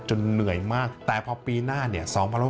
เหนื่อยมากแต่พอปีหน้าเนี่ย